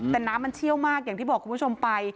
แต่น้ำมันเชี่ยวมากอย่างที่บอกคุณผู้ชมไป